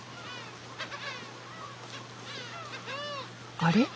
あれ？